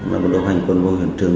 là một đồng hành quân vô hiện trường